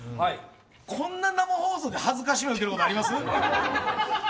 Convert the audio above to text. こんな生放送で辱めを受けることあります？